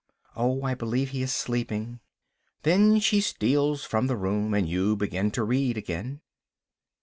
"Oh, I believe he is sleeping." Then she steals from the room, and you begin to read again.